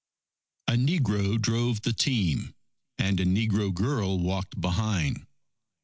A negro drove the team, and a negro girl walked behind.